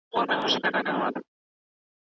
هغه وویل چې طبیعت د الهي قدرت نښه ده.